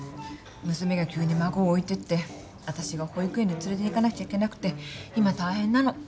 娘が急に孫を置いてって私が保育園に連れていかなくちゃいけなくて今大変なの。